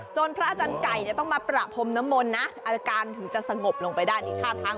จนพระอาจารย์ไก่ต้องมาประพรมนมลนะอาการถึงจะสงบลงไปด้านอีกท่าทาง